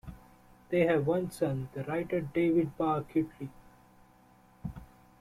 They have one son, the writer David Barr Kirtley.